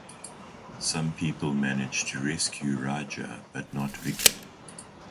Some people manage to rescue Raja but not Vicky.